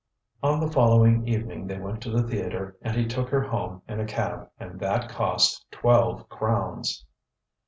On the following evening they went to the theatre and he took her home in a cab, and that cost twelve crowns.